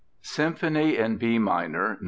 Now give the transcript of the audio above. SYMPHONY IN B MINOR, NO.